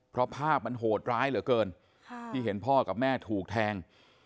เพราะภาพมันโหดร้ายเหลือเกินที่เห็นพ่อกับแม่ถูกแทง